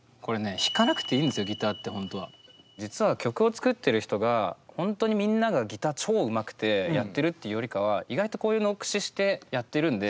これね実は曲を作ってる人が本当にみんながギター超うまくてやってるっていうよりかは意外とこういうのを駆使してやってるんで。